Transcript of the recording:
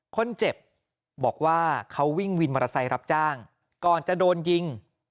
คนเจ็บบอกว่าเขาวิ่งวินมอเตอร์ไซค์รับจ้างก่อนจะโดนยิง